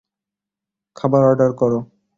খাবার অর্ডার করো।